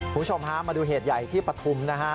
คุณผู้ชมฮะมาดูเหตุใหญ่ที่ปฐุมนะฮะ